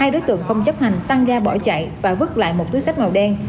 hai đối tượng không chấp hành tăng ga bỏ chạy và vứt lại một túi sách màu đen